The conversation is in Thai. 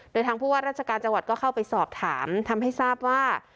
โดยทางผู้ว่าราชการจังหวัดก็เข้าไปสอบถามทำให้ทราบว่า